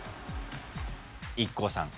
ＩＫＫＯさん